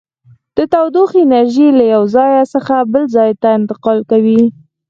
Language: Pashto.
د تودوخې انرژي له یو ځای څخه بل ځای ته انتقال کوي.